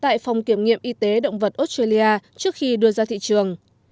tại phòng kiểm nghiệm y tế động vật australia trước khi đưa ra thị trường